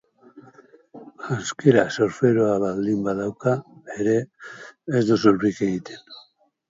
Janzkera surferoa baldin badauka ere, ez du surfik egiten.